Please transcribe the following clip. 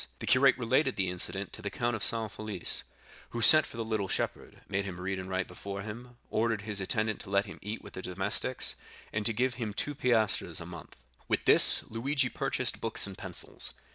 The curate related the incident to the Count of San Felice, who sent for the little shepherd, made him read and write before him, ordered his attendant to let him eat with the domestics, and to give him two piastres a month. With this, Luigi purchased books and pencils.